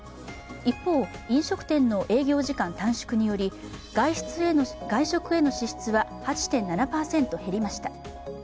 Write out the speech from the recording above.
一方、飲食店の営業時間短縮により外食への支出は８．７％減りました。